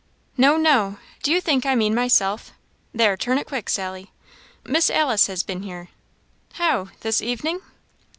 "No, no; do you think I mean myself? there, turn it quick, Sally! Miss Alice has been here." "How? this evening?"